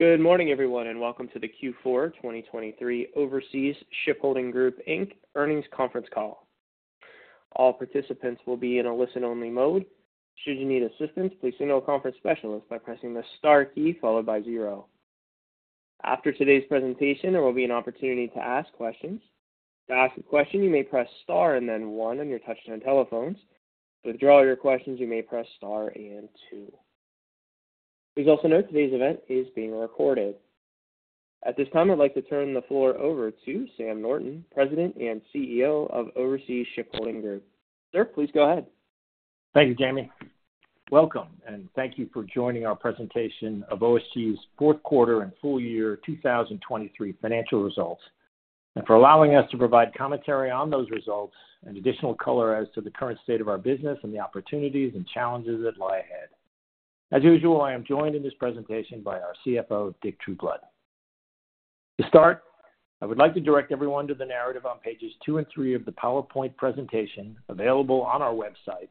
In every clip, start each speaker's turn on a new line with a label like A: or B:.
A: Good morning, everyone, and welcome to the Q4 2023 Overseas Shipholding Group, Inc. Earnings Conference Call. All participants will be in a listen-only mode. Should you need assistance, please signal a conference specialist by pressing the Star key, followed by zero. After today's presentation, there will be an opportunity to ask questions. To ask a question, you may press Star and then one on your touchtone telephones. To withdraw your questions, you may press Star and two. Please also note today's event is being recorded. At this time, I'd like to turn the floor over to Sam Norton, President and CEO of Overseas Shipholding Group. Sir, please go ahead.
B: Thank you, Jamie. Welcome, and thank you for joining our presentation of OSG's fourth quarter and full year 2023 financial results, and for allowing us to provide commentary on those results and additional color as to the current state of our business and the opportunities and challenges that lie ahead. As usual, I am joined in this presentation by our CFO, Dick Trueblood. To start, I would like to direct everyone to the narrative on pages two and three of the PowerPoint presentation available on our website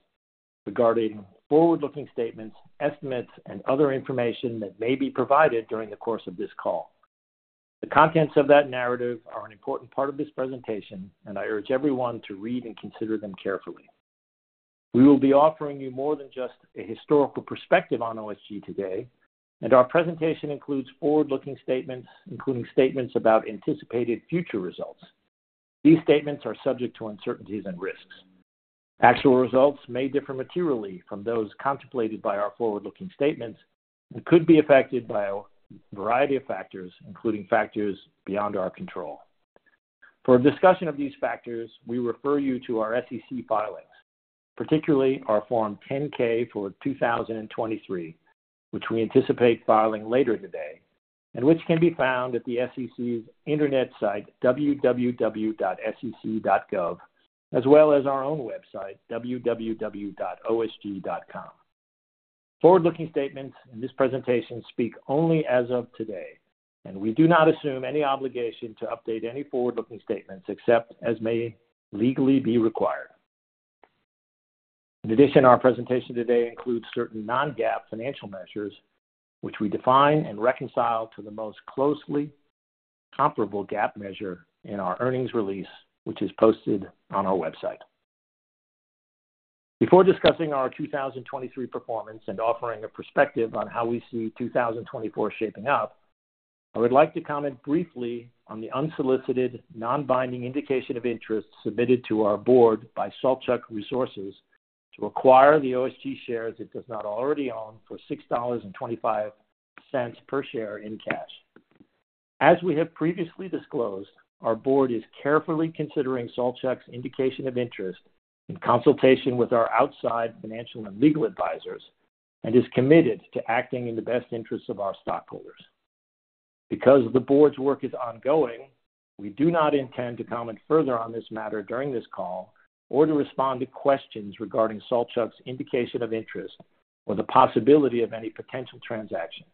B: regarding forward-looking statements, estimates, and other information that may be provided during the course of this call. The contents of that narrative are an important part of this presentation, and I urge everyone to read and consider them carefully. We will be offering you more than just a historical perspective on OSG today, and our presentation includes forward-looking statements, including statements about anticipated future results. These statements are subject to uncertainties and risks. Actual results may differ materially from those contemplated by our forward-looking statements and could be affected by a variety of factors, including factors beyond our control. For a discussion of these factors, we refer you to our SEC filings, particularly our Form 10-K for 2023, which we anticipate filing later today, and which can be found at the SEC's internet site, www.sec.gov, as well as our own website, www.osg.com. Forward-looking statements in this presentation speak only as of today, and we do not assume any obligation to update any forward-looking statements except as may legally be required. In addition, our presentation today includes certain non-GAAP financial measures, which we define and reconcile to the most closely comparable GAAP measure in our earnings release, which is posted on our website. Before discussing our 2023 performance and offering a perspective on how we see 2024 shaping up, I would like to comment briefly on the unsolicited, non-binding indication of interest submitted to our board by Saltchuk Resources to acquire the OSG shares it does not already own for $6.25 per share in cash. As we have previously disclosed, our board is carefully considering Saltchuk's indication of interest in consultation with our outside financial and legal advisors and is committed to acting in the best interests of our stockholders. Because the board's work is ongoing, we do not intend to comment further on this matter during this call or to respond to questions regarding Saltchuk's indication of interest or the possibility of any potential transaction.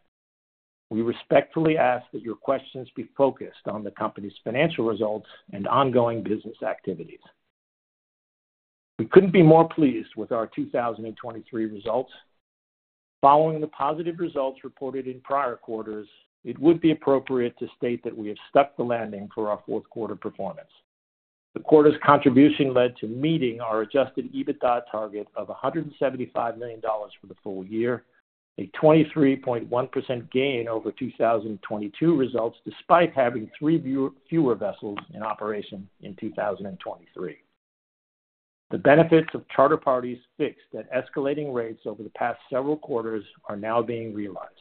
B: We respectfully ask that your questions be focused on the company's financial results and ongoing business activities. We couldn't be more pleased with our 2023 results. Following the positive results reported in prior quarters, it would be appropriate to state that we have stuck the landing for our fourth quarter performance. The quarter's contribution led to meeting our adjusted EBITDA target of $175 million for the full year, a 23.1% gain over 2022 results, despite having three fewer vessels in operation in 2023. The benefits of charter parties fixed at escalating rates over the past several quarters are now being realized,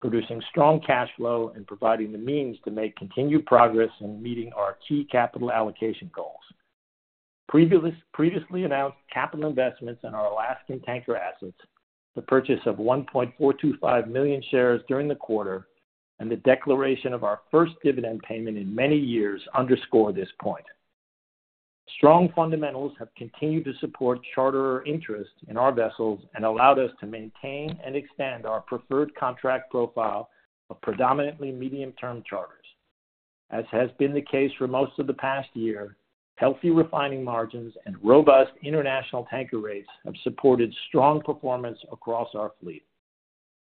B: producing strong cash flow and providing the means to make continued progress in meeting our key capital allocation goals. Previously announced capital investments in our Alaskan tanker assets, the purchase of 1.425 million shares during the quarter, and the declaration of our first dividend payment in many years underscore this point. Strong fundamentals have continued to support charterer interest in our vessels and allowed us to maintain and extend our preferred contract profile of predominantly medium-term charters. As has been the case for most of the past year, healthy refining margins and robust international tanker rates have supported strong performance across our fleet.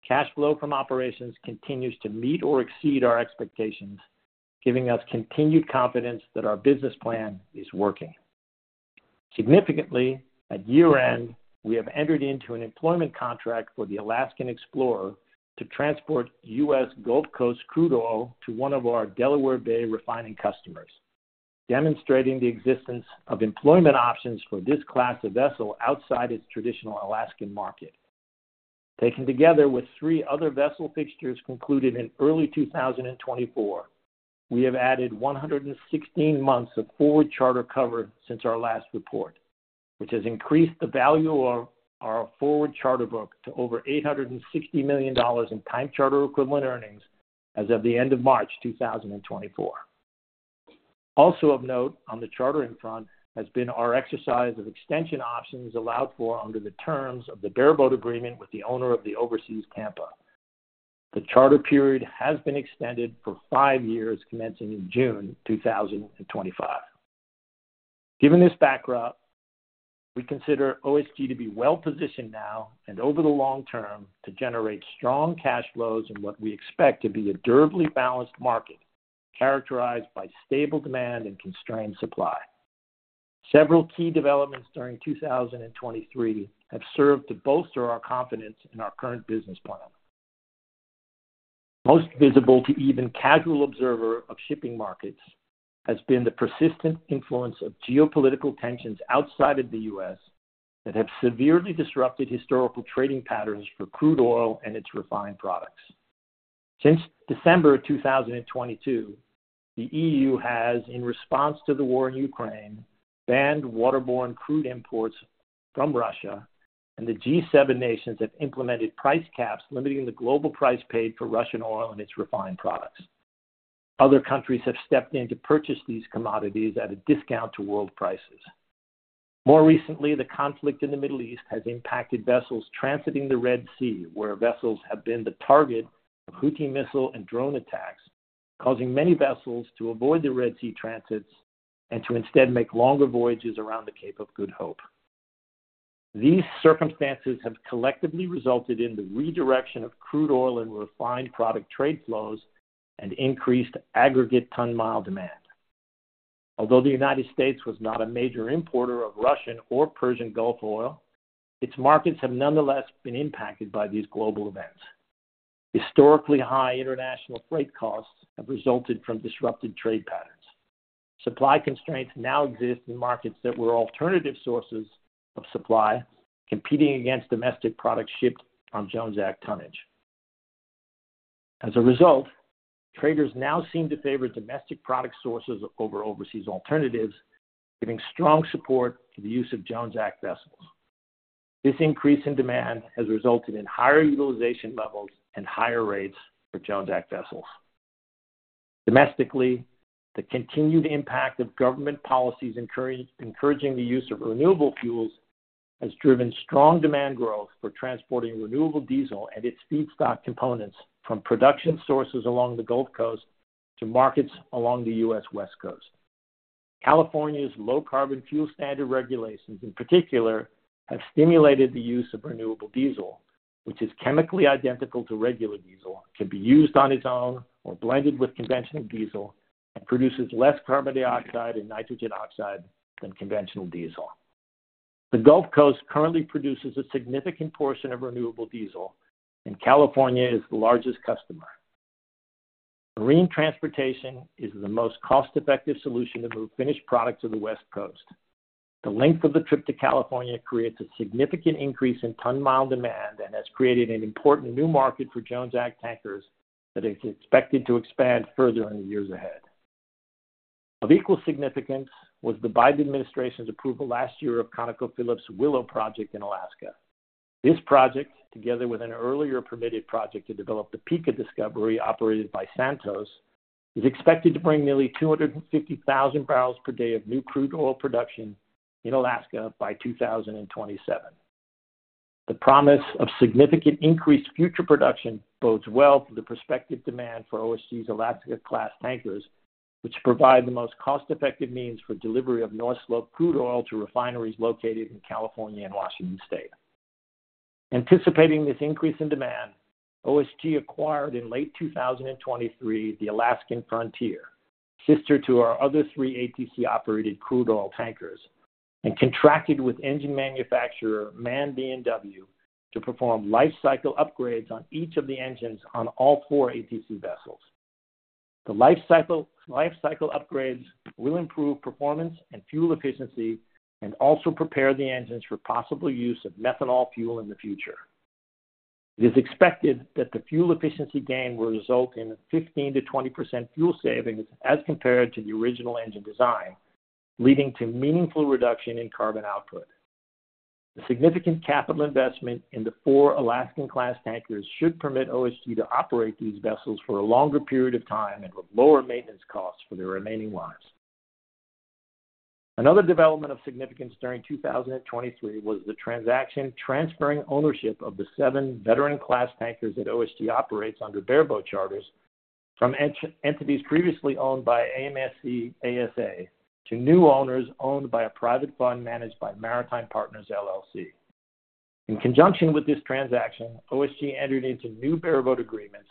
B: Cash flow from operations continues to meet or exceed our expectations, giving us continued confidence that our business plan is working. Significantly, at year-end, we have entered into an employment contract for the Alaskan Explorer to transport U.S. Gulf Coast crude oil to one of our Delaware Bay refining customers, demonstrating the existence of employment options for this class of vessel outside its traditional Alaskan market. Taken together with three other vessel fixtures concluded in early 2024, we have added 116 months of forward charter coverage since our last report, which has increased the value of our forward charter book to over $860 million in time charter equivalent earnings as of the end of March 2024. Also of note on the chartering front has been our exercise of extension options allowed for under the terms of the bareboat agreement with the owner of the Overseas Tampa. The charter period has been extended for five years, commencing in June 2025. Given this backdrop, we consider OSG to be well-positioned now and over the long term, to generate strong cash flows in what we expect to be a durably balanced market, characterized by stable demand and constrained supply. Several key developments during 2023 have served to bolster our confidence in our current business plan. Most visible to even casual observer of shipping markets, has been the persistent influence of geopolitical tensions outside of the U.S., that have severely disrupted historical trading patterns for crude oil and its refined products. Since December of 2022, the EU has, in response to the war in Ukraine, banned waterborne crude imports from Russia, and the G7 nations have implemented price caps, limiting the global price paid for Russian oil and its refined products. Other countries have stepped in to purchase these commodities at a discount to world prices. More recently, the conflict in the Middle East has impacted vessels transiting the Red Sea, where vessels have been the target of Houthi missile and drone attacks, causing many vessels to avoid the Red Sea transits and to instead make longer voyages around the Cape of Good Hope. These circumstances have collectively resulted in the redirection of crude oil and refined product trade flows and increased aggregate ton mile demand. Although the United States was not a major importer of Russian or Persian Gulf oil, its markets have nonetheless been impacted by these global events. Historically, high international freight costs have resulted from disrupted trade patterns. Supply constraints now exist in markets that were alternative sources of supply, competing against domestic products shipped on Jones Act tonnage. As a result, traders now seem to favor domestic product sources over overseas alternatives, giving strong support to the use of Jones Act vessels. This increase in demand has resulted in higher utilization levels and higher rates for Jones Act vessels. Domestically, the continued impact of government policies encouraging the use of renewable fuels has driven strong demand growth for transporting renewable diesel and its feedstock components from production sources along the Gulf Coast to markets along the U.S. West Coast. California's Low Carbon Fuel Standard regulations, in particular, have stimulated the use of renewable diesel, which is chemically identical to regular diesel, can be used on its own or blended with conventional diesel, and produces less carbon dioxide and nitrogen oxide than conventional diesel. The Gulf Coast currently produces a significant portion of renewable diesel, and California is the largest customer. Marine transportation is the most cost-effective solution to move finished product to the West Coast. The length of the trip to California creates a significant increase in ton mile demand and has created an important new market for Jones Act tankers that is expected to expand further in the years ahead. Of equal significance, was the Biden administration's approval last year of ConocoPhillips' Willow project in Alaska. This project, together with an earlier permitted project to develop the Pikka discovery operated by Santos, is expected to bring nearly 250,000 barrels per day of new crude oil production in Alaska by 2027. The promise of significant increased future production bodes well for the prospective demand for OSG's Alaska class tankers, which provide the most cost-effective means for delivery of North Slope crude oil to refineries located in California and Washington State. Anticipating this increase in demand, OSG acquired in late 2023 the Alaskan Frontier, sister to our other three ATC-operated crude oil tankers, and contracted with engine manufacturer MAN B&W to perform lifecycle upgrades on each of the engines on all four ATC vessels. The lifecycle upgrades will improve performance and fuel efficiency, and also prepare the engines for possible use of methanol fuel in the future. It is expected that the fuel efficiency gain will result in a 15%-20% fuel savings as compared to the original engine design, leading to meaningful reduction in carbon output. The significant capital investment in the four Alaska-class tankers should permit OSG to operate these vessels for a longer period of time and with lower maintenance costs for their remaining lives. Another development of significance during 2023, was the transaction transferring ownership of the seven veteran class tankers that OSG operates under bareboat charters, from entities previously owned by AMSC ASA, to new owners owned by a private fund managed by Maritime Partners, LLC. In conjunction with this transaction, OSG entered into new bareboat agreements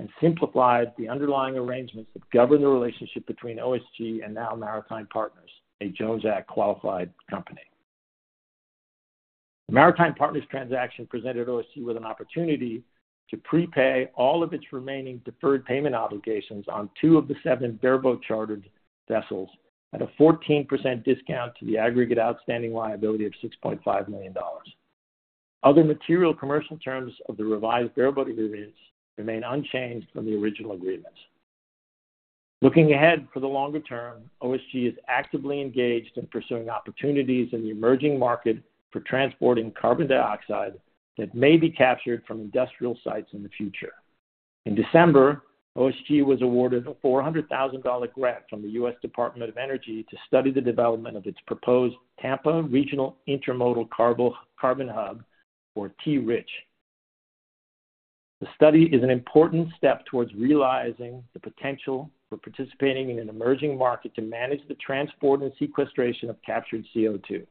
B: and simplified the underlying arrangements that govern the relationship between OSG and now Maritime Partners, a Jones Act-qualified company. The Maritime Partners transaction presented OSG with an opportunity to prepay all of its remaining deferred payment obligations on two of the seven bareboat chartered vessels, at a 14% discount to the aggregate outstanding liability of $6.5 million. Other material commercial terms of the revised bareboat agreements remain unchanged from the original agreements. Looking ahead for the longer term, OSG is actively engaged in pursuing opportunities in the emerging market for transporting carbon dioxide that may be captured from industrial sites in the future. In December, OSG was awarded a $400,000 grant from the U.S. Department of Energy to study the development of its proposed Tampa Regional Intermodal Carbon Hub, or T-RICH. The study is an important step towards realizing the potential for participating in an emerging market to manage the transport and sequestration of captured CO2.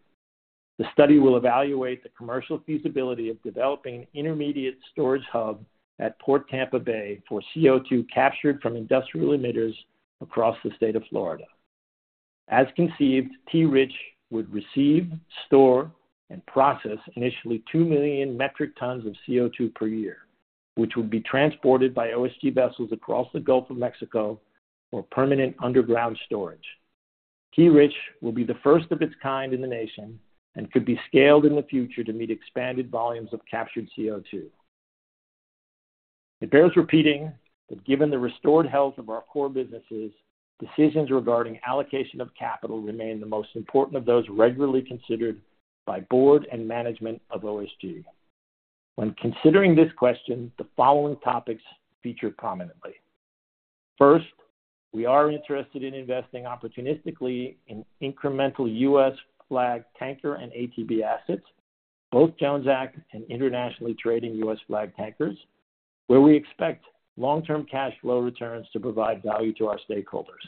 B: The study will evaluate the commercial feasibility of developing an intermediate storage hub at Port Tampa Bay for CO2 captured from industrial emitters across the state of Florida. As conceived, T-RICH would receive, store, and process initially 2 million metric tons of CO2 per year, which would be transported by OSG vessels across the Gulf of Mexico for permanent underground storage. T-RICH will be the first of its kind in the nation and could be scaled in the future to meet expanded volumes of captured CO2. It bears repeating that given the restored health of our core businesses, decisions regarding allocation of capital remain the most important of those regularly considered by board and management of OSG. When considering this question, the following topics feature prominently: First, we are interested in investing opportunistically in incremental U.S. flag tanker and ATB assets, both Jones Act and internationally trading U.S. flag tankers, where we expect long-term cash flow returns to provide value to our stakeholders.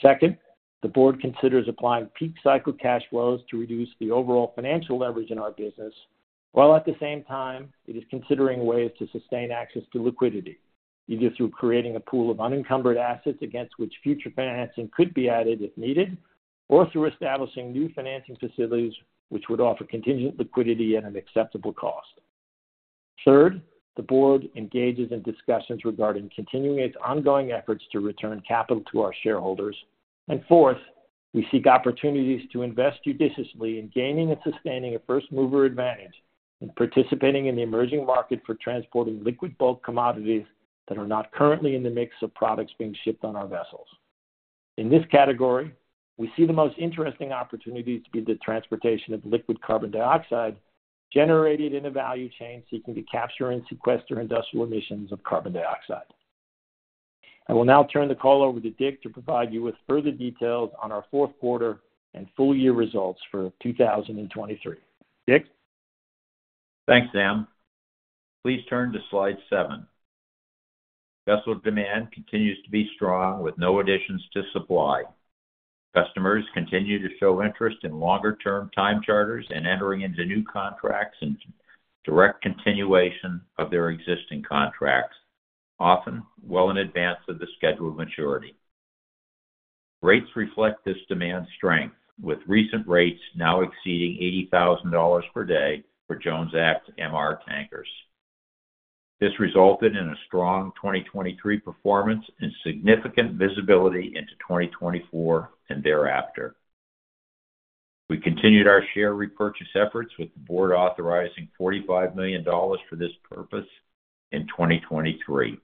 B: Second, the board considers applying peak cycle cash flows to reduce the overall financial leverage in our business, while at the same time, it is considering ways to sustain access to liquidity, either through creating a pool of unencumbered assets against which future financing could be added if needed, or through establishing new financing facilities which would offer contingent liquidity at an acceptable cost. Third, the board engages in discussions regarding continuing its ongoing efforts to return capital to our shareholders. And fourth, we seek opportunities to invest judiciously in gaining and sustaining a first-mover advantage in participating in the emerging market for transporting liquid bulk commodities that are not currently in the mix of products being shipped on our vessels. In this category, we see the most interesting opportunities to be the transportation of liquid carbon dioxide, generated in a value chain seeking to capture and sequester industrial emissions of carbon dioxide. I will now turn the call over to Dick to provide you with further details on our fourth quarter and full year results for 2023. Dick?
C: Thanks, Sam. Please turn to slide seven. Vessel demand continues to be strong, with no additions to supply. Customers continue to show interest in longer-term time charters and entering into new contracts and direct continuation of their existing contracts, often well in advance of the scheduled maturity. Rates reflect this demand strength, with recent rates now exceeding $80,000 per day for Jones Act MR tankers. This resulted in a strong 2023 performance and significant visibility into 2024 and thereafter. We continued our share repurchase efforts, with the board authorizing $45 million for this purpose in 2023.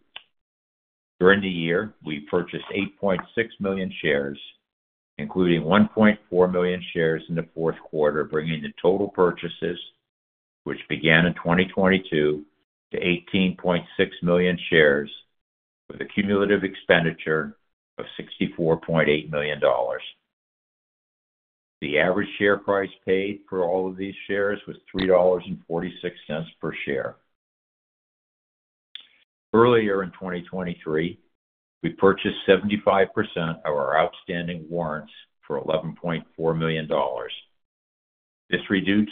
C: During the year, we purchased 8.6 million shares, including 1.4 million shares in the fourth quarter, bringing the total purchases, which began in 2022, to 18.6 million shares, with a cumulative expenditure of $64.8 million. The average share price paid for all of these shares was $3.46 per share. Earlier in 2023, we purchased 75% of our outstanding warrants for $11.4 million. This reduced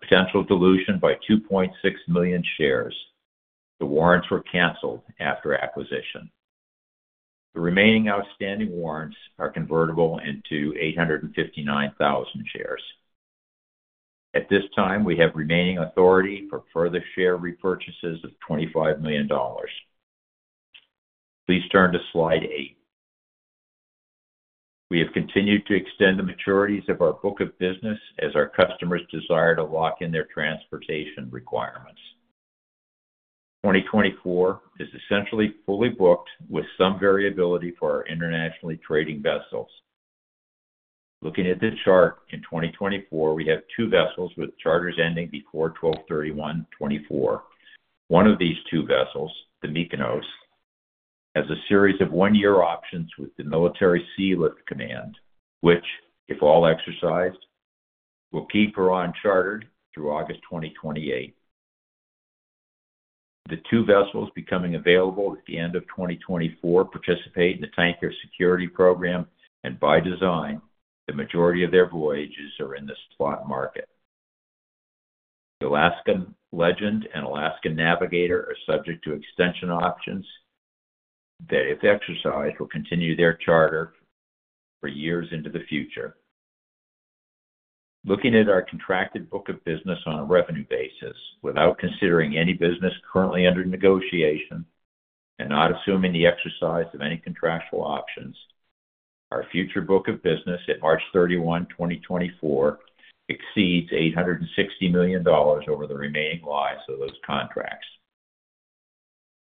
C: potential dilution by 2.6 million shares. The warrants were canceled after acquisition. The remaining outstanding warrants are convertible into 859,000 shares. At this time, we have remaining authority for further share repurchases of $25 million. Please turn to slide eight. We have continued to extend the maturities of our book of business as our customers desire to lock in their transportation requirements. 2024 is essentially fully booked, with some variability for our internationally trading vessels. Looking at this chart, in 2024, we have two vessels with charters ending before 12/31/2024. One of these two vessels, the Mykonos, has a series of one-year options with the Military Sealift Command, which, if all exercised, will keep her unchartered through August 2028. The two vessels becoming available at the end of 2024 participate in the Tanker Security Program, and by design, the majority of their voyages are in the spot market. The Alaskan Legend and Alaskan Navigator are subject to extension options that, if exercised, will continue their charter for years into the future. Looking at our contracted book of business on a revenue basis, without considering any business currently under negotiation and not assuming the exercise of any contractual options, our future book of business at March 31, 2024, exceeds $860 million over the remaining lives of those contracts.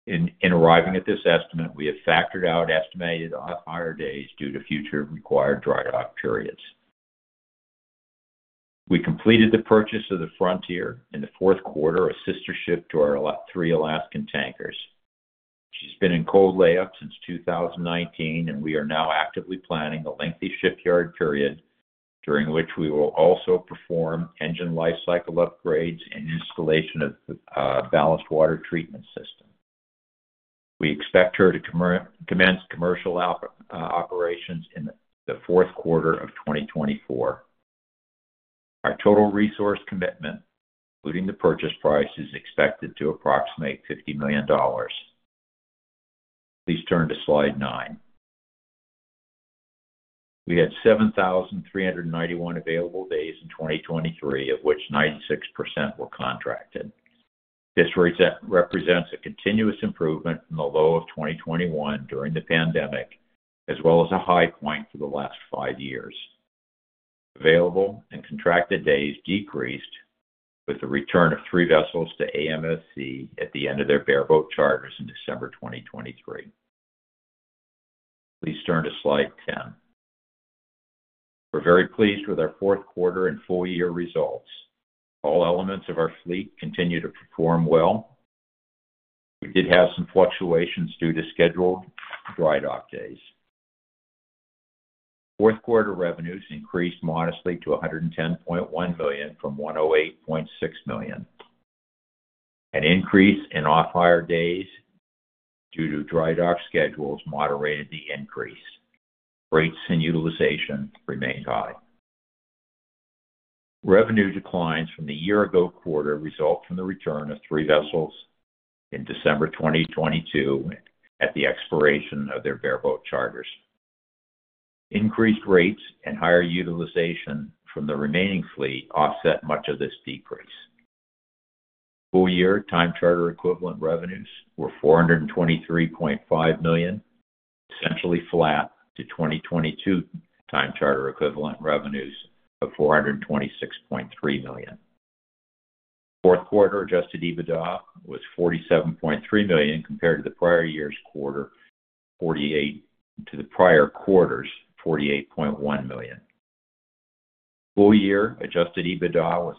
C: In arriving at this estimate, we have factored out estimated hire days due to future required dry dock periods. We completed the purchase of the Alaskan Frontier in the fourth quarter, a sister ship to our three Alaskan tankers. She has been in cold layup since 2019, and we are now actively planning a lengthy shipyard period, during which we will also perform engine lifecycle upgrades and installation of ballast water treatment system. We expect her to commence commercial operations in the fourth quarter of 2024. Our total resource commitment, including the purchase price, is expected to approximate $50 million. Please turn to slide nine. We had 7,391 available days in 2023, of which 96% were contracted. This represents a continuous improvement from the low of 2021 during the pandemic, as well as a high point for the last five years. Available and contracted days decreased with the return of three vessels to AMSC at the end of their bareboat charters in December 2023. Please turn to Slide 10. We're very pleased with our fourth quarter and full year results. All elements of our fleet continue to perform well. We did have some fluctuations due to scheduled dry dock days. Fourth quarter revenues increased modestly to $110.1 million from $108.6 million. An increase in off-hire days due to dry dock schedules moderated the increase. Rates and utilization remained high. Revenue declines from the year ago quarter result from the return of three vessels in December 2022 at the expiration of their bareboat charters. Increased rates and higher utilization from the remaining fleet offset much of this decrease. Full year time charter equivalent revenues were $423.5 million, essentially flat to 2022 time charter equivalent revenues of $426.3 million. Fourth quarter adjusted EBITDA was $47.3 million, compared to the prior year's quarter, to the prior quarter's $48.1 million. Full year adjusted EBITDA was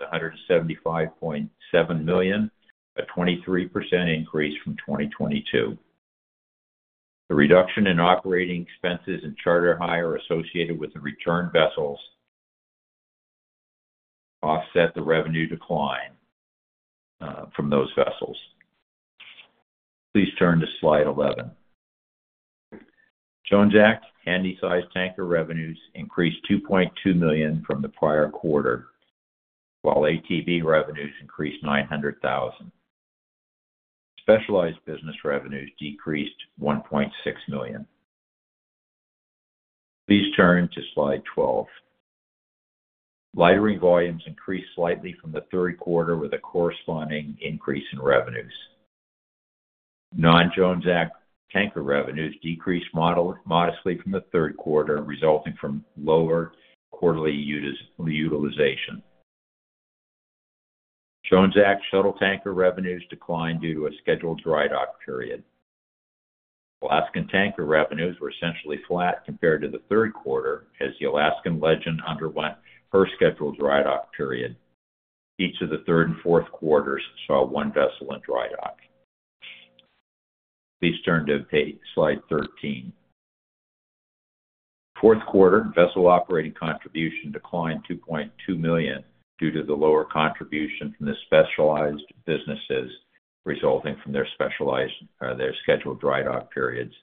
C: $175.7 million, a 23% increase from 2022. The reduction in operating expenses and charter hire associated with the return vessels offset the revenue decline from those vessels. Please turn to Slide 11. Jones Act handy-sized tanker revenues increased $2.2 million from the prior quarter, while ATB revenues increased $900,000. Specialized business revenues decreased $1.6 million. Please turn to Slide 12. Lightering volumes increased slightly from the third quarter, with a corresponding increase in revenues. Non-Jones Act tanker revenues decreased modestly from the third quarter, resulting from lower quarterly utilization. Jones Act shuttle tanker revenues declined due to a scheduled dry dock period. Alaskan tanker revenues were essentially flat compared to the third quarter, as the Alaskan Legend underwent her scheduled dry dock period. Each of the third and fourth quarters saw one vessel in dry dock. Please turn to Slide 13. Fourth quarter vessel operating contribution declined $2.2 million due to the lower contribution from the specialized businesses, resulting from their specialized, their scheduled dry dock periods.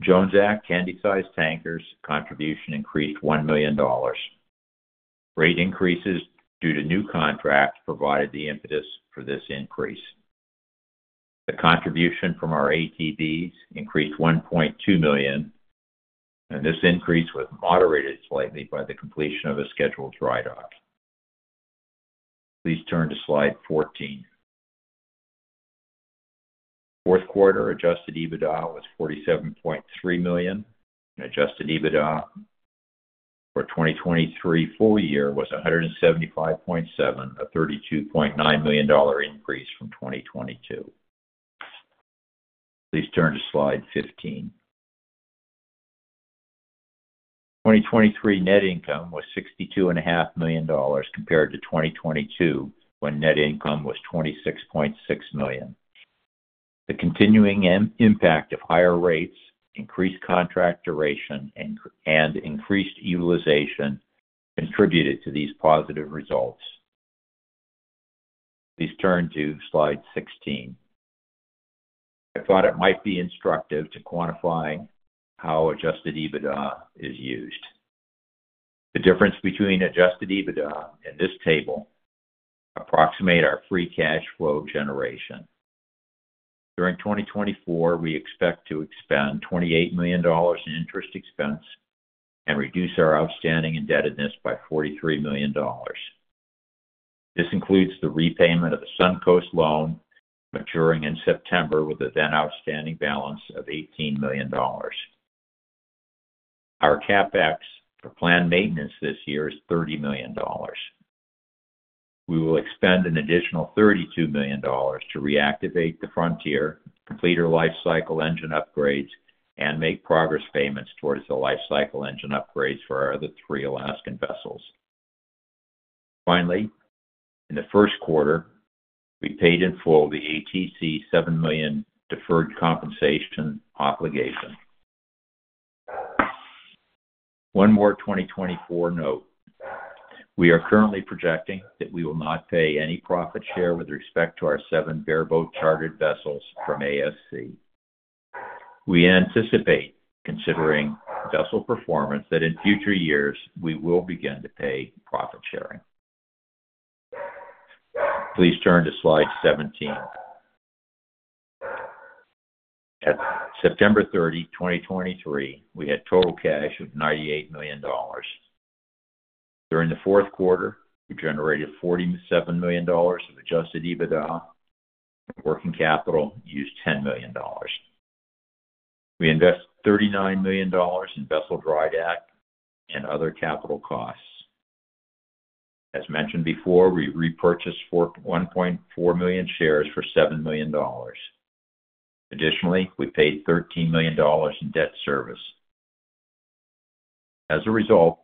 C: Jones Act handy-sized tankers contribution increased $1 million. Rate increases due to new contracts provided the impetus for this increase. The contribution from our ATBs increased $1.2 million, and this increase was moderated slightly by the completion of a scheduled dry dock. Please turn to Slide 14. Fourth quarter Adjusted EBITDA was $47.3 million, and Adjusted EBITDA for 2023 full year was $175.7 million, a $32.9 million increase from 2022. Please turn to Slide 15. 2023 net income was $62.5 million compared to 2022, when net income was $26.6 million. The continuing impact of higher rates, increased contract duration, and increased utilization contributed to these positive results. Please turn to Slide 16. I thought it might be instructive to quantify how Adjusted EBITDA is used. The difference between Adjusted EBITDA and this table approximate our free cash flow generation. During 2024, we expect to expend $28 million in interest expense and reduce our outstanding indebtedness by $43 million. This includes the repayment of the Suncoast loan maturing in September, with the then outstanding balance of $18 million. Our CapEx for planned maintenance this year is $30 million. We will expend an additional $32 million to reactivate the frontier, complete our lifecycle engine upgrades, and make progress payments towards the lifecycle engine upgrades for our other three Alaskan vessels.... Finally, in the first quarter, we paid in full the ATC $7 million deferred compensation obligation. One more 2024 note: We are currently projecting that we will not pay any profit share with respect to our seven bareboat chartered vessels from ASC. We anticipate, considering vessel performance, that in future years, we will begin to pay profit sharing. Please turn to Slide 17. At September 30, 2023, we had total cash of $98 million. During the fourth quarter, we generated $47 million of adjusted EBITDA, and working capital used $10 million. We invested $39 million in vessel dry dock and other capital costs. As mentioned before, we repurchased 41.4 million shares for $7 million. Additionally, we paid $13 million in debt service. As a result,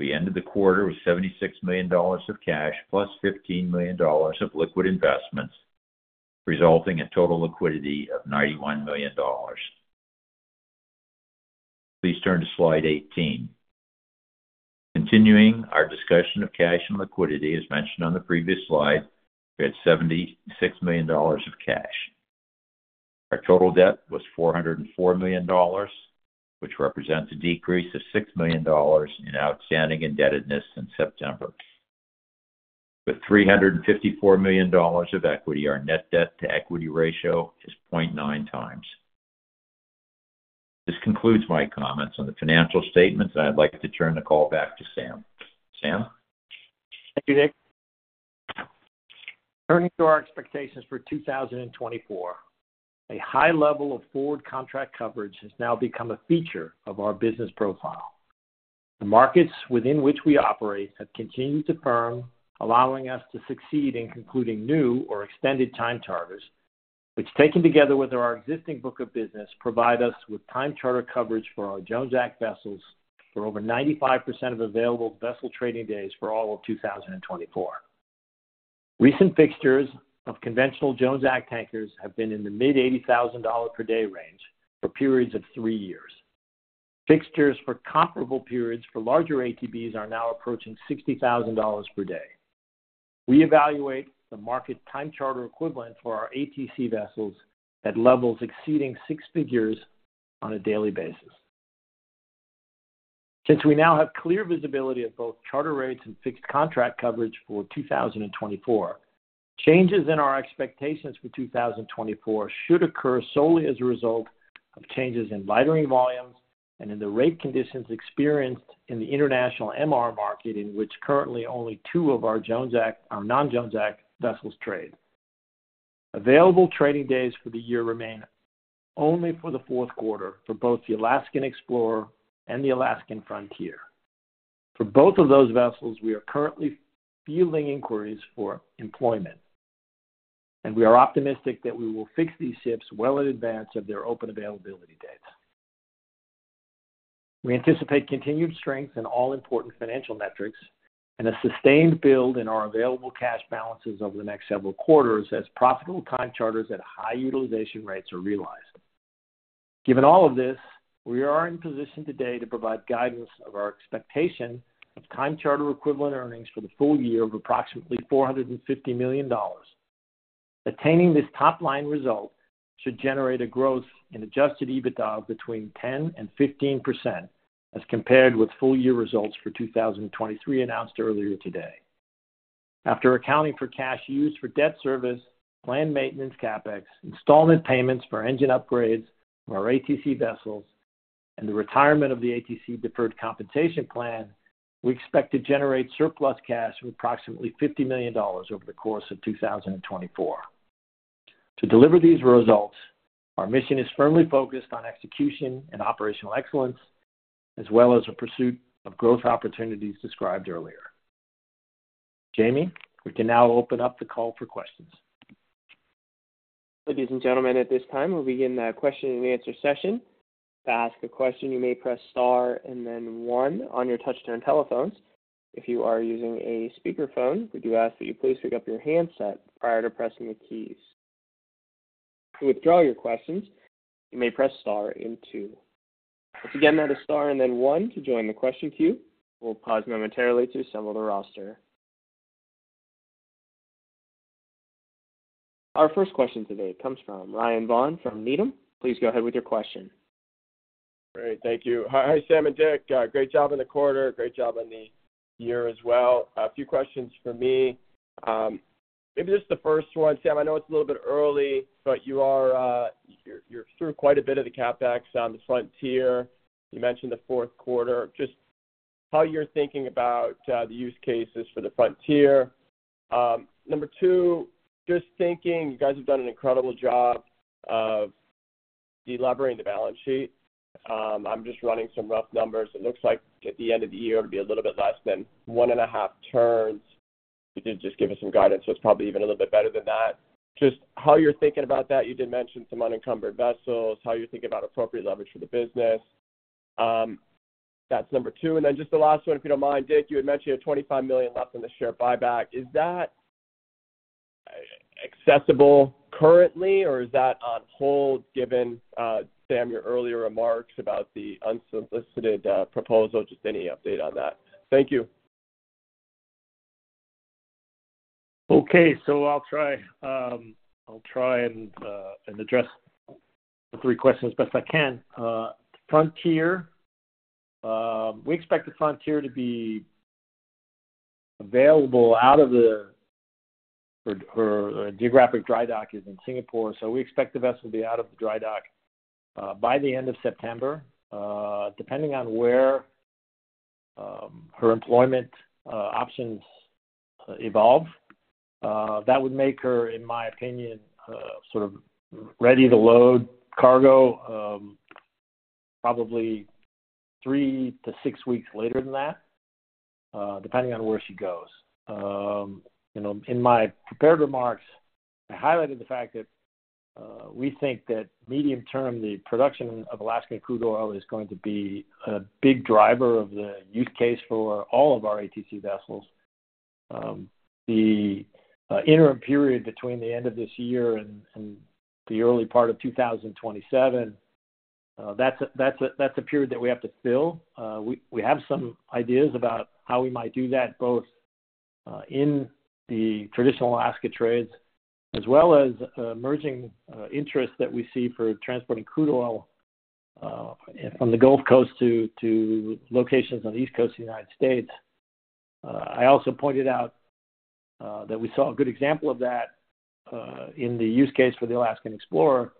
C: we ended the quarter with $76 million of cash, plus $15 million of liquid investments, resulting in total liquidity of $91 million. Please turn to Slide 18. Continuing our discussion of cash and liquidity, as mentioned on the previous slide, we had $76 million of cash. Our total debt was $404 million, which represents a decrease of $6 million in outstanding indebtedness since September. With $354 million of equity, our net debt-to-equity ratio is 0.9 times. This concludes my comments on the financial statements, and I'd like to turn the call back to Sam. Sam?
B: Thank you, Dick. Turning to our expectations for 2024, a high level of forward contract coverage has now become a feature of our business profile. The markets within which we operate have continued to firm, allowing us to succeed in concluding new or extended time charters, which, taken together with our existing book of business, provide us with time charter coverage for our Jones Act vessels for over 95% of available vessel trading days for all of 2024. Recent fixtures of conventional Jones Act tankers have been in the mid-$80,000 per day range for periods of three years. Fixtures for comparable periods for larger ATBs are now approaching $60,000 per day. We evaluate the market time charter equivalent for our ATC vessels at levels exceeding six figures on a daily basis. Since we now have clear visibility of both charter rates and fixed contract coverage for 2024, changes in our expectations for 2024 should occur solely as a result of changes in lightering volumes and in the rate conditions experienced in the international MR market, in which currently only two of our Jones Act, or non-Jones Act vessels trade. Available trading days for the year remain only for the fourth quarter for both the Alaskan Explorer and the Alaskan Frontier. For both of those vessels, we are currently fielding inquiries for employment, and we are optimistic that we will fix these ships well in advance of their open availability dates. We anticipate continued strength in all important financial metrics and a sustained build in our available cash balances over the next several quarters, as profitable time charters at high utilization rates are realized. Given all of this, we are in position today to provide guidance of our expectation of time charter equivalent earnings for the full year of approximately $450 million. Attaining this top-line result should generate a growth in Adjusted EBITDA between 10% and 15% as compared with full-year results for 2023, announced earlier today. After accounting for cash used for debt service, planned maintenance, CapEx, installment payments for engine upgrades for our ATC vessels, and the retirement of the ATC deferred compensation plan, we expect to generate surplus cash of approximately $50 million over the course of 2024. To deliver these results, our mission is firmly focused on execution and operational excellence, as well as the pursuit of growth opportunities described earlier. Jamie, we can now open up the call for questions.
A: Ladies and gentlemen, at this time, we'll begin the question-and-answer session. To ask a question, you may press star and then one on your touch-tone telephones. If you are using a speakerphone, we do ask that you please pick up your handset prior to pressing the keys. To withdraw your questions, you may press star and two. Once again, that is star and then one to join the question queue. We'll pause momentarily to assemble the roster. Our first question today comes from Ryan Vaughan from Needham. Please go ahead with your question.
D: Great. Thank you. Hi, Sam and Dick. Great job on the quarter. Great job on the year as well. A few questions for me. Maybe just the first one. Sam, I know it's a little bit early, but you are, you're through quite a bit of the CapEx on the Frontier. You mentioned the fourth quarter. Just how you're thinking about the use cases for the Frontier. Number two, just thinking, you guys have done an incredible job of delevering the balance sheet. I'm just running some rough numbers. It looks like at the end of the year, it'll be a little bit less than 1.5 turns. You did just give us some guidance, so it's probably even a little bit better than that. Just how you're thinking about that. You did mention some unencumbered vessels, how you're thinking about appropriate leverage for the business? That's number two. And then just the last one, if you don't mind, Dick, you had mentioned you had $25 million left in the share buyback. Is that accessible currently, or is that on hold, given, Sam, your earlier remarks about the unsolicited proposal? Just any update on that. Thank you.
B: Okay, so I'll try and address the three questions as best I can. Frontier, we expect the Frontier to be available out of her dry dock in Singapore, so we expect the vessel to be out of the dry dock by the end of September. Depending on where her employment options evolve, that would make her, in my opinion, sort of ready to load cargo, probably three to six weeks later than that, depending on where she goes. You know, in my prepared remarks, I highlighted the fact that we think that medium term, the production of Alaskan crude oil is going to be a big driver of the use case for all of our ATC vessels. The interim period between the end of this year and the early part of 2027, that's a period that we have to fill. We have some ideas about how we might do that, both in the traditional Alaska trades, as well as emerging interests that we see for transporting crude oil from the Gulf Coast to locations on the East Coast of the United States. I also pointed out that we saw a good example of that in the use case for the Alaskan Explorer.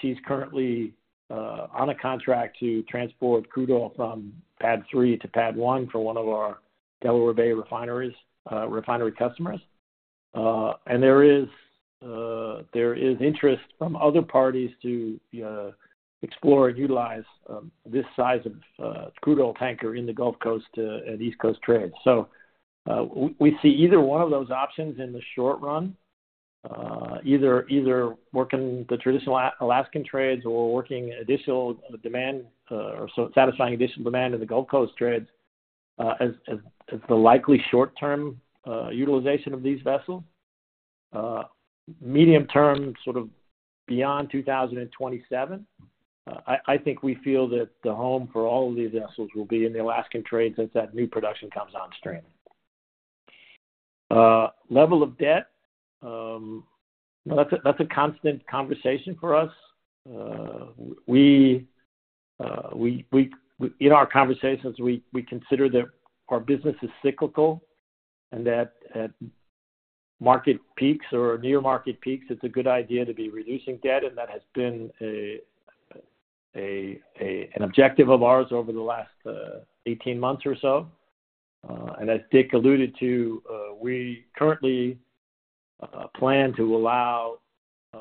B: She's currently on a contract to transport crude oil from PADD 3 to PADD 1 for one of our Delaware Bay refinery customers. There is interest from other parties to explore and utilize this size of crude oil tanker in the Gulf Coast and East Coast trades. So we see either one of those options in the short run, either working the traditional Alaskan trades or working additional demand, so satisfying additional demand in the Gulf Coast trades, as the likely short-term utilization of these vessels. Medium term, sort of beyond 2027, I think we feel that the home for all of these vessels will be in the Alaskan trades as that new production comes on stream. Level of debt, that's a constant conversation for us. In our conversations, we consider that our business is cyclical and that at market peaks or near market peaks, it's a good idea to be reducing debt, and that has been an objective of ours over the last 18 months or so. And as Dick alluded to, we currently plan to allow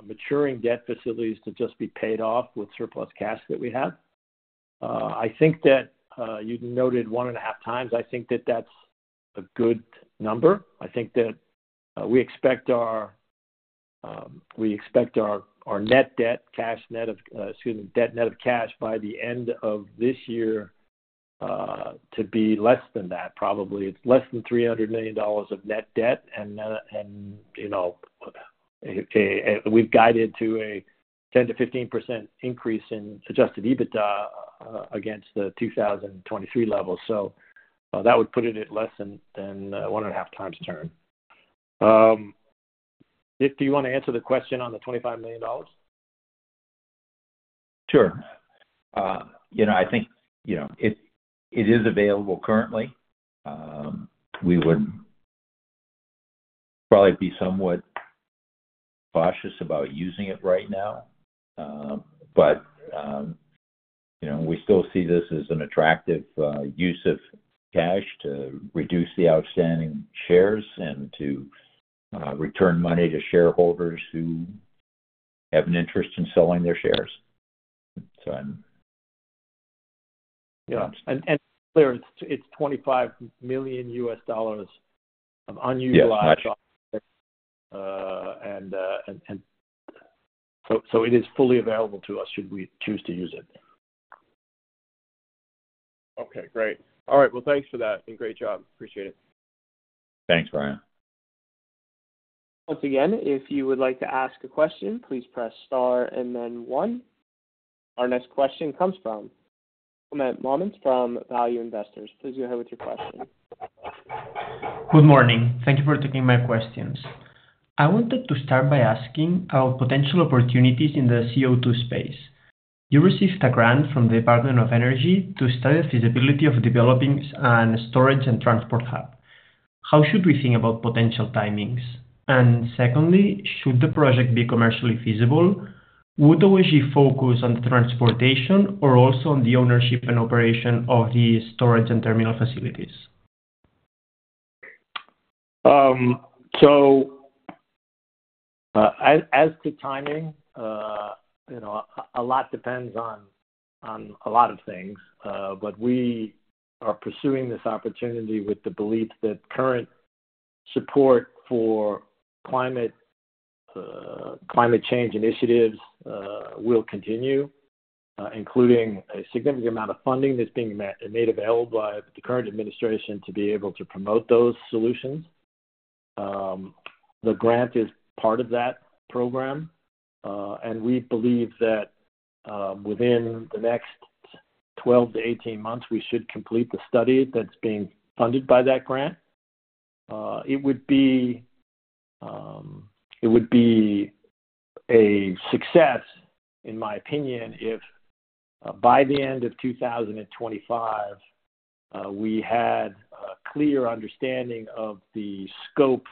B: maturing debt facilities to just be paid off with surplus cash that we have. I think that you noted 1.5 times. I think that that's a good number. I think that we expect our net debt, cash net of, excuse me, debt net of cash by the end of this year to be less than that, probably. It's less than $300 million of net debt, and, you know, we've guided to a 10%-15% increase in Adjusted EBITDA against the 2023 level. So, that would put it at less than 1.5 times turn. Dick, do you want to answer the question on the $25 million?
C: Sure. You know, I think, you know, it is available currently. We would probably be somewhat cautious about using it right now. But, you know, we still see this as an attractive use of cash to reduce the outstanding shares and to return money to shareholders who have an interest in selling their shares. So I'm-
B: Yeah, and clear, it's $25 million of unutilized-
C: Yeah.
B: And so it is fully available to us should we choose to use it.
D: Okay, great. All right, well, thanks for that, and great job. Appreciate it.
C: Thanks, Brian.
A: Once again, if you would like to ask a question, please press Star and then one. Our next question comes from Climent Molins from Value Investors. Please go ahead with your question.
E: Good morning. Thank you for taking my questions. I wanted to start by asking about potential opportunities in the CO2 space. You received a grant from the Department of Energy to study the feasibility of developing a storage and transport hub. How should we think about potential timings? And secondly, should the project be commercially feasible, would OSG focus on transportation or also on the ownership and operation of the storage and terminal facilities?
B: As to timing, you know, a lot depends on a lot of things. But we are pursuing this opportunity with the belief that current support for climate change initiatives will continue, including a significant amount of funding that's being made available by the current administration to be able to promote those solutions. The grant is part of that program, and we believe that within the next 12-18 months, we should complete the study that's being funded by that grant. It would be, it would be a success, in my opinion, if by the end of 2025, we had a clear understanding of the scope,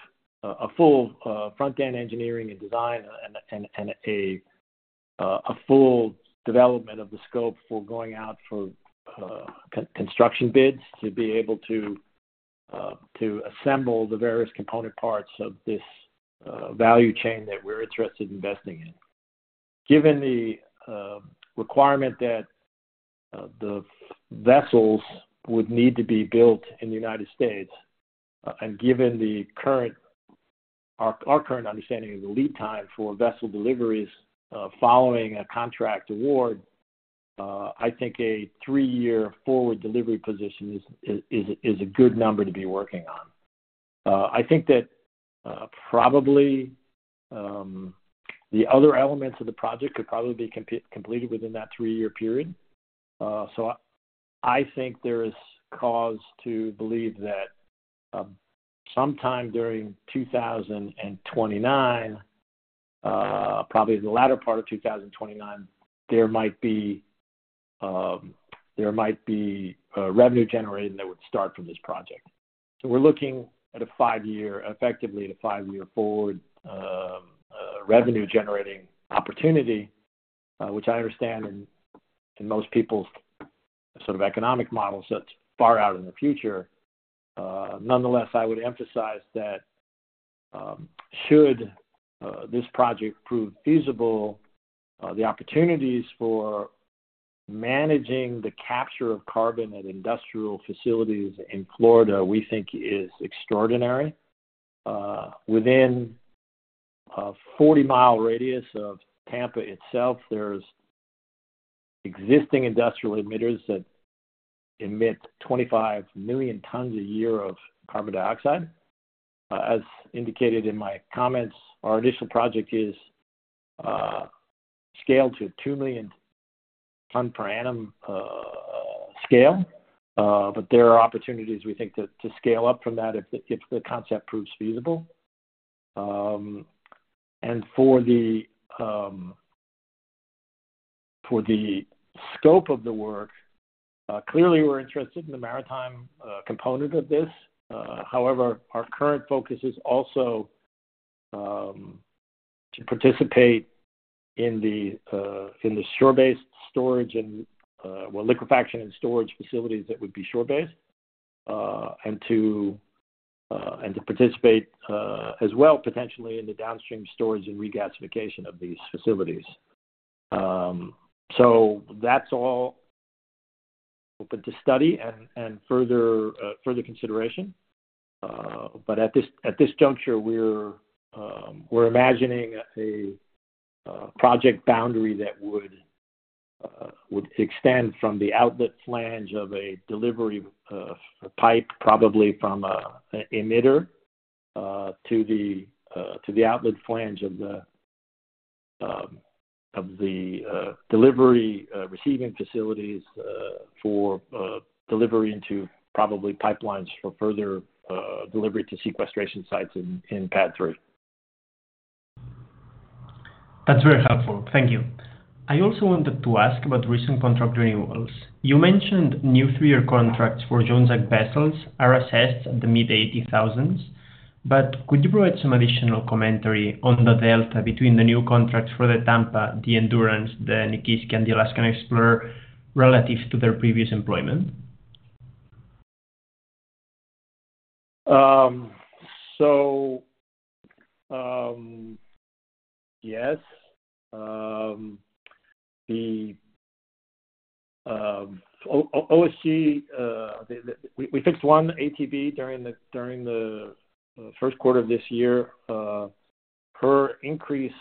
B: a full, front-end engineering and design, and, and, and a, a full development of the scope for going out for, construction bids, to be able to, to assemble the various component parts of this, value chain that we're interested in investing in. Given the, requirement that, the vessels would need to be built in the United States, and given the current our, our current understanding of the lead time for vessel deliveries, following a contract award, I think a three-year forward delivery position is, is, is a good number to be working on. I think that, probably, the other elements of the project could probably be completed within that three-year period. So I think there is cause to believe that, sometime during 2029, probably in the latter part of 2029, there might be revenue generating that would start from this project. So we're looking at a five-year, effectively, at a five-year forward revenue generating opportunity, which I understand in most people's sort of economic models, that's far out in the future. Nonetheless, I would emphasize that, should this project prove feasible, the opportunities for managing the capture of carbon at industrial facilities in Florida, we think is extraordinary. Within a 40-mile radius of Tampa itself, there's existing industrial emitters that emit 25 million tons a year of carbon dioxide. As indicated in my comments, our initial project is scaled to 2 million ton per annum, but there are opportunities we think to scale up from that if the concept proves feasible. For the scope of the work, clearly we're interested in the maritime component of this. However, our current focus is also to participate in the shore-based storage and liquefaction and storage facilities that would be shore-based. To participate as well, potentially in the downstream storage and regasification of these facilities. So that's all open to study and further consideration. But at this juncture, we're imagining a project boundary that would extend from the outlet flange of a delivery pipe, probably from an emitter, to the outlet flange of the delivery receiving facilities, for delivery into probably pipelines for further delivery to sequestration sites in PADD III.
E: That's very helpful. Thank you. I also wanted to ask about recent contract renewals. You mentioned new 3-year contracts for Jones Act vessels are assessed at the mid-$80,000. But could you provide some additional commentary on the delta between the new contracts for the Tampa, the Endurance, the Nikiski, and the Alaskan Explorer, relative to their previous employment?
B: So, yes. The OSG, we fixed one ATB during the first quarter of this year. The increase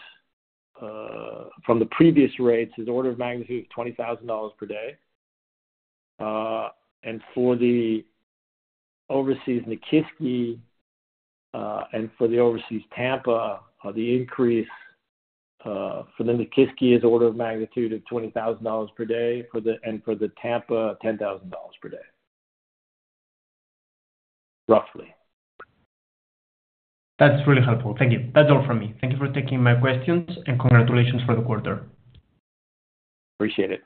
B: from the previous rates is order of magnitude of $20,000 per day. And for the Overseas Nikiski, and for the Overseas Tampa, the increase for the Nikiski is order of magnitude of $20,000 per day. And for the Tampa, $10,000 per day, roughly.
E: That's really helpful. Thank you. That's all from me. Thank you for taking my questions, and congratulations for the quarter.
B: Appreciate it.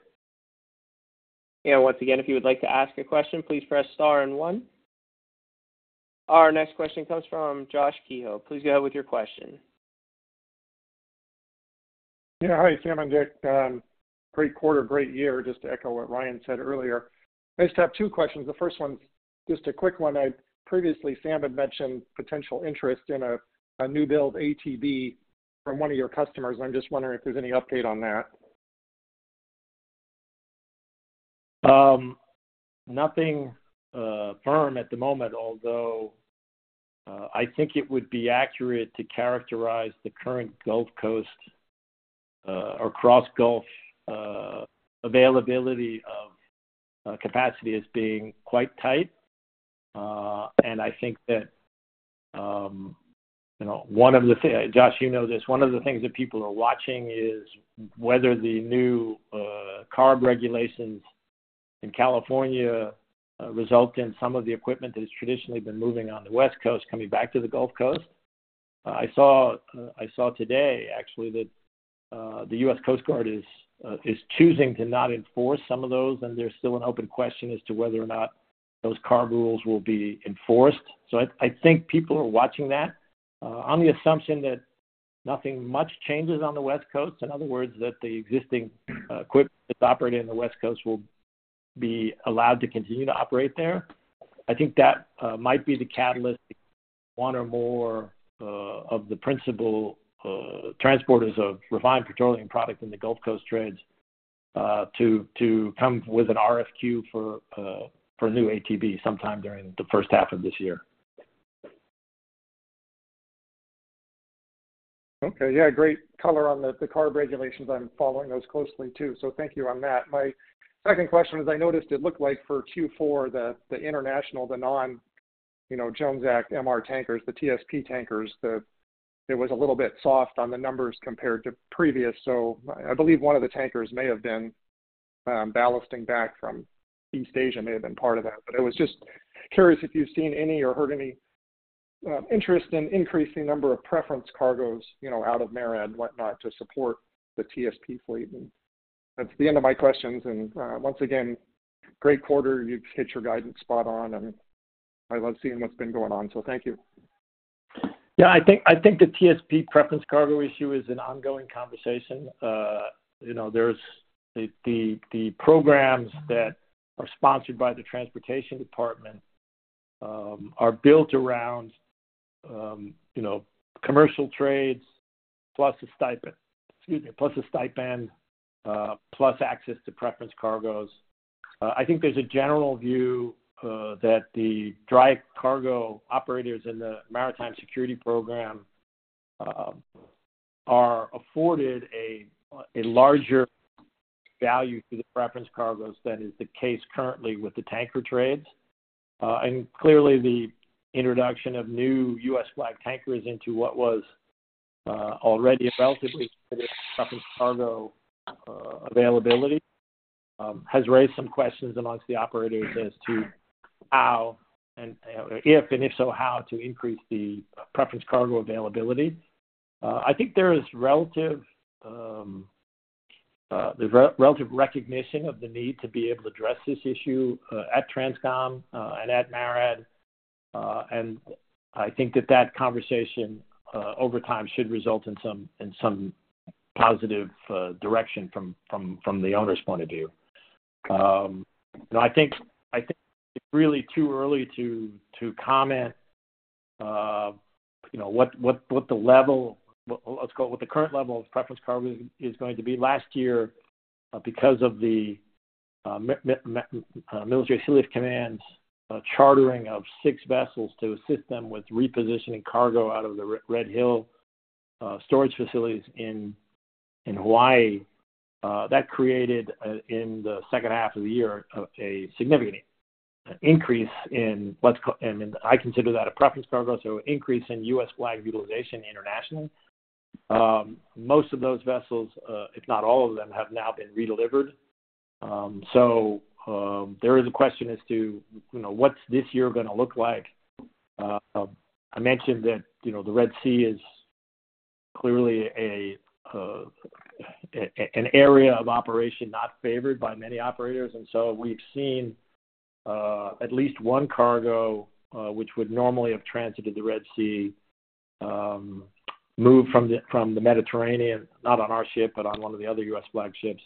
A: Once again, if you would like to ask a question, please press star and one. Our next question comes from Josh Kehill. Please go ahead with your question.
F: Yeah. Hi, Sam and Dick. Great quarter, great year, just to echo what Ryan said earlier. I just have two questions. The first one, just a quick one. Previously, Sam had mentioned potential interest in a new build ATB from one of your customers. I'm just wondering if there's any update on that?...
B: Nothing firm at the moment, although I think it would be accurate to characterize the current Gulf Coast or cross-Gulf availability of capacity as being quite tight. I think that, you know, one of the things, Josh, you know this, one of the things that people are watching is whether the new CARB regulations in California result in some of the equipment that has traditionally been moving on the West Coast, coming back to the Gulf Coast. I saw today, actually, that the U.S. Coast Guard is choosing to not enforce some of those, and there's still an open question as to whether or not those CARB rules will be enforced. So I think people are watching that. On the assumption that nothing much changes on the West Coast, in other words, that the existing equipment that's operating on the West Coast will be allowed to continue to operate there. I think that might be the catalyst, one or more of the principal transporters of refined petroleum products in the Gulf Coast trades, to, to come with an RFQ for, for new ATB sometime during the first half of this year.
F: Okay. Yeah, great color on the CARB regulations. I'm following those closely, too, so thank you on that. My second question is, I noticed it looked like for Q4, the international, the non, you know, Jones Act, MR tankers, the TSP tankers, the- it was a little bit soft on the numbers compared to previous. So I believe one of the tankers may have been ballasting back from East Asia, may have been part of that. But I was just curious if you've seen any or heard any interest in increasing number of preference cargoes, you know, out of MARAD, whatnot, to support the TSP fleet. And that's the end of my questions. And once again, great quarter. You've hit your guidance spot on, and I love seeing what's been going on, so thank you.
B: Yeah, I think, I think the TSP preference cargo issue is an ongoing conversation. You know, there's the programs that are sponsored by the Transportation Department, are built around, you know, commercial trades plus a stipend. Excuse me, plus a stipend, plus access to preference cargoes. I think there's a general view, that the dry cargo operators in the Maritime Security Program, are afforded a larger value to the preference cargoes than is the case currently with the tanker trades. And clearly, the introduction of new U.S. flag tankers into what was, already a relatively preference cargo, availability, has raised some questions amongst the operators as to how and, if, and if so, how to increase the preference cargo availability. I think there's relative recognition of the need to be able to address this issue at TRANSCOM and at MARAD. And I think that conversation over time should result in some positive direction from the owner's point of view. You know, I think it's really too early to comment, you know, what the current level of preference cargo is going to be. Last year, because of the Military Sealift Command chartering of six vessels to assist them with repositioning cargo out of the Red Hill storage facilities in Hawaii, that created in the second half of the year a significant increase in what's ca... I consider that a Preference Cargo, so increase in U.S.-flag utilization internationally. Most of those vessels, if not all of them, have now been redelivered. So, there is a question as to, you know, what's this year gonna look like? I mentioned that, you know, the Red Sea is clearly an area of operation not favored by many operators. And so we've seen at least one cargo which would normally have transited the Red Sea, move from the Mediterranean, not on our ship, but on one of the other U.S.-flag ships.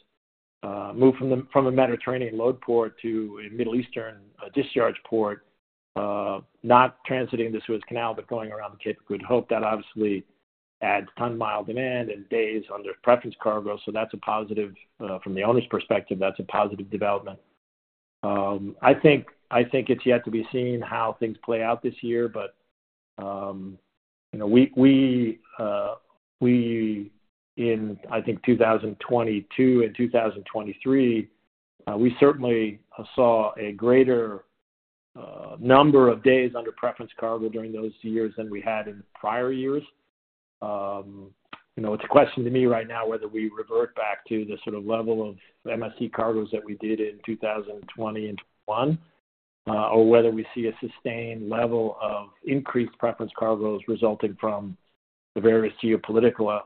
B: Move from the Mediterranean load port to a Middle Eastern discharge port, not transiting the Suez Canal, but going around the Cape of Good Hope. That obviously adds ton-mile demand and days under Preference Cargo. So that's a positive, from the owner's perspective, that's a positive development. I think it's yet to be seen how things play out this year, but, you know, we, in 2022 and 2023, we certainly saw a greater number of days under preference cargo during those years than we had in prior years. You know, it's a question to me right now whether we revert back to the sort of level of MSC cargoes that we did in 2020 and 2021, or whether we see a sustained level of increased preference cargoes resulting from the various geopolitical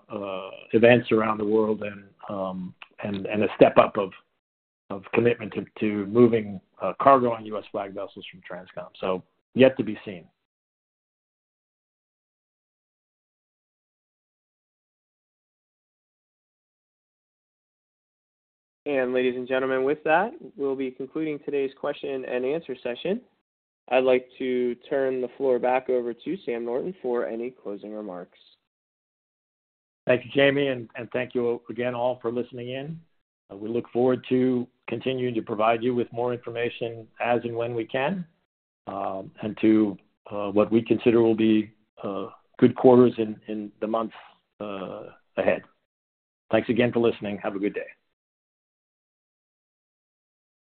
B: events around the world and a step up of commitment to moving cargo on U.S. flag vessels from TRANSCOM. Yet to be seen.
A: Ladies and gentlemen, with that, we'll be concluding today's question and answer session. I'd like to turn the floor back over to Sam Norton for any closing remarks.
B: Thank you, Jamie, and thank you again all for listening in. We look forward to continuing to provide you with more information as and when we can, and to what we consider will be good quarters in the months ahead. Thanks again for listening. Have a good day.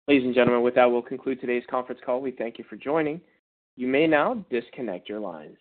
A: Ladies and gentlemen, with that, we'll conclude today's conference call. We thank you for joining. You may now disconnect your lines.